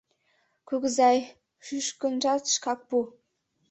— Кугызай, шӱшкынжат шкак пу.